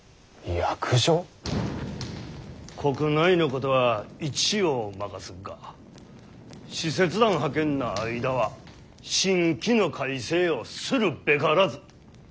国内のことは一応任すっが使節団派遣の間は新規の改正をするべからず。